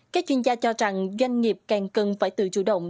các chuyên gia cho rằng doanh nghiệp càng cần phải tự chủ động